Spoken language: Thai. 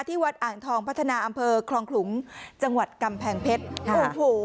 วัดอ่างทองพัฒนาอำเภอคลองขลุงจังหวัดกำแพงเพชรโอ้โห